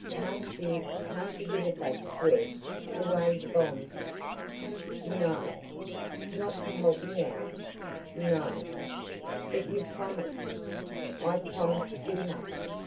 Can't you can't you give it back to Ed, the way the bonds " "No!" "Not to help me out?" "No!" "But you promised " "I promised too much!